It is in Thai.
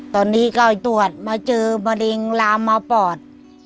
ตอนนี้ก็ตรวจมาเจอมะเร็งลามมาปอด